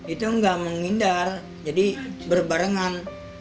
itu nggak menghindar jadi berbarengan